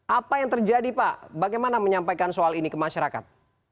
apa yang terjadi pak bagaimana menyampaikan soal ini ke masyarakat